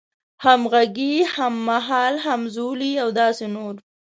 همغږی، هممهال، همزولی او داسې نور